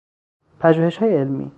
پژوهشهای علمی